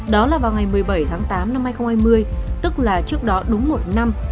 đó là vào ngày một mươi bảy tháng tám năm hai nghìn hai mươi tức là trước đó đúng một năm